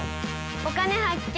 「お金発見」。